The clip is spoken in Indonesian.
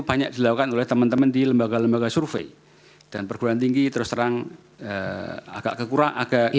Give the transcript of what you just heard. banyak dilakukan oleh teman teman di lembaga lembaga survei dan perguruan tinggi terus terang agak kekurang agak